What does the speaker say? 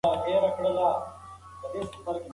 ماشوم د انا په غېږ کې ځان واچاوه.